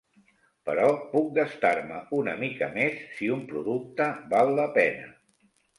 Però puc gastar-me una mica més si un producte val la pena.